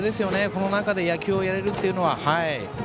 この中で野球をやれるのは。